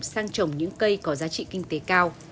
sang trồng những cây có giá trị kinh tế cao